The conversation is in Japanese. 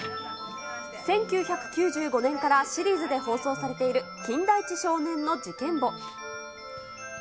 １９９５年からシリーズで放送されている、金田一少年の事件簿。